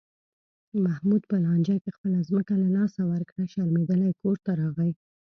محمود په لانجه کې خپله ځمکه له لاسه ورکړه، شرمېدلی کورته راغی.